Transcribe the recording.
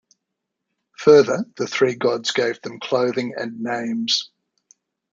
Further, the three gods gave them clothing and names.